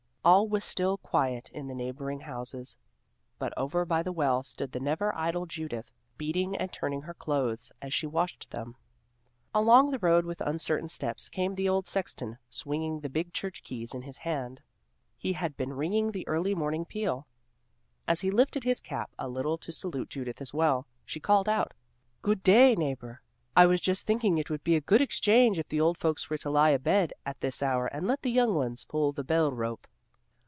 All was still quiet in the neighboring houses, but over by the well stood the never idle Judith, beating and turning her clothes as she washed them. Along the road with uncertain steps came the old sexton, swinging the big church keys in his hand; he had been ringing the early morning peal. As he lifted his cap a little to salute Judith at the well, she called out, "Good day, neighbor, I was just thinking it would be a good exchange if the old folks were to lie abed at this hour and let the young ones pull the bell rope."